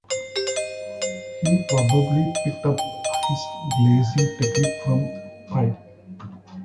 He probably picked up his glazing technique from Pyle.